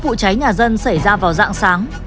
phòng cháy nhà dân xảy ra vào dạng sáng